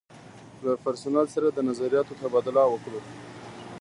له پرسونل سره د نظریاتو تبادله وکړو.